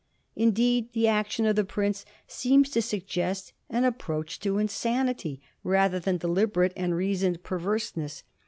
Indeed the action of the prince seems to sug gest an approach to insanity rather than deliberate and reasoned perverseness.